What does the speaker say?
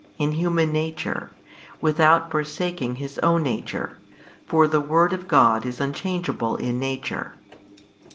in human nature, without forsaking His own Nature, for the Word of God is Unchangeable in Nature.